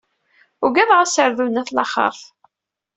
Ugadeɣ asardun n at laxert.